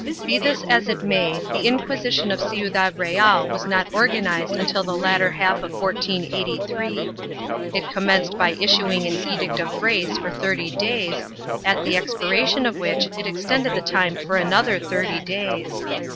1 Be this as it may the Inquisition of Ciudad Real was not organized until the latter half of 1483. It commenced by issuing an Edict of Grace for thirty days, at the expiration of which it extended the time for another thirty days.